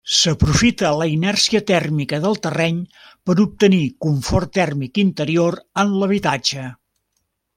S'aprofita la inèrcia tèrmica del terreny per obtenir confort tèrmic interior en l'habitatge.